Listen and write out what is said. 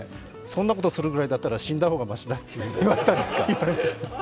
そんなことするぐらいだったら死んだ方がましだと言われました。